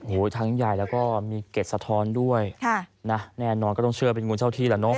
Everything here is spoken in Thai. โอ้โหทั้งใหญ่แล้วก็มีเกร็ดสะท้อนด้วยค่ะนะแน่นอนก็ต้องเชื่อเป็นงูเจ้าที่แหละเนอ